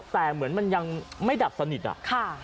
แต่เหมือนมันยังไม่ดับสนิทอะ